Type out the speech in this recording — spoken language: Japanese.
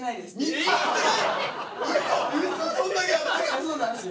そうなんですよ。